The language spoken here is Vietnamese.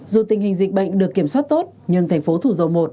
dù tình hình dịch bệnh được kiểm soát tốt nhưng thành phố thủ dầu một